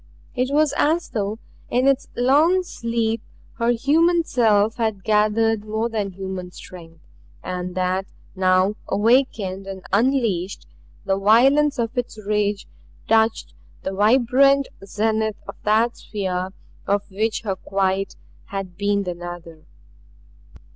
It was as though in its long sleep her human self had gathered more than human strength, and that now, awakened and unleashed, the violence of its rage touched the vibrant zenith of that sphere of which her quiet had been the nadir.